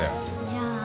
じゃあね。